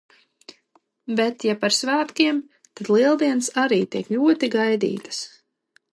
Bet ja par svētkiem, tad Lieldienas arī tiek ļoti gaidītas.